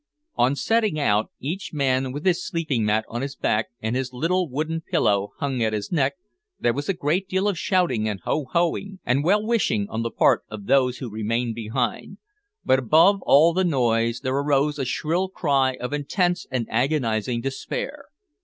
On setting out each man with his sleeping mat on his back and his little wooden pillow hung at his neck, there was a great deal of shouting and ho ho ing and well wishing on the part of those who remained behind, but above all the noise there arose a shrill cry of intense and agonising despair.